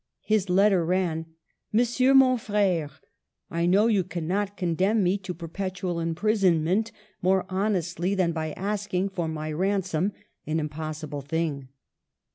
His letter ran :— MoNSilfcUR, MON Frere,^ — I know you cannot con demn me to perpetual imprisonment more honestly than by asking, for my ransom, an impossible thing.